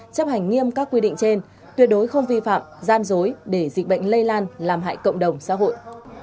chấp hành nghiêm các quy định trên tuyệt đối không vi phạm gian dối để dịch bệnh lây lan làm hại cộng đồng xã hội